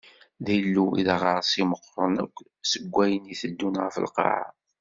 D ilew i d aɣersiw meqqren akk deg ayen iteddun ɣef lqaɛa.